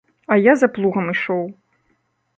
А я за плугам ішоў.